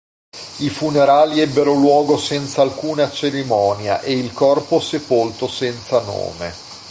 I funerali ebbero luogo senza alcuna cerimonia e il corpo sepolto senza nome.